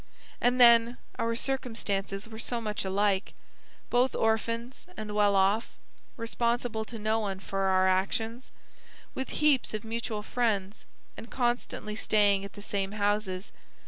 And then, our circumstances were so much alike, both orphans, and well off; responsible to no one for our actions; with heaps of mutual friends, and constantly staying at the same houses.